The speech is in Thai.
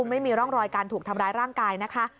ไม่มีร่องรอยการถูกทำร้ายร่างกายนะคะ